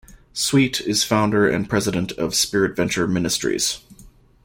Sweet is founder and President of "SpiritVenture Ministries".